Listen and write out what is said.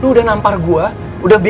saat ini kapalnya dari apa